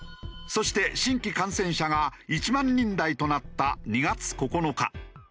そして新規感染者が１万人台となった２月９日。